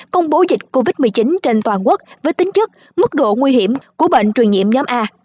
công bố dịch covid một mươi chín trên toàn quốc với tính chất mức độ nguy hiểm của bệnh truyền nhiễm nhóm a